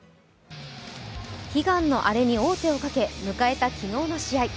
悲願のアレに王手をかけ迎えた昨日の試合。